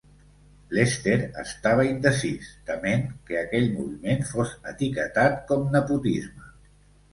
Lester estava indecís, tement que aquell moviment fos etiquetat com nepotisme.